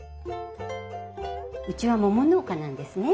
うちは桃農家なんですね。